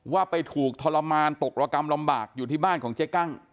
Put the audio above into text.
ว่าไปถูกทรมานตกระกำลำบากอยู่ที่บ้านของเจ๊กั้ง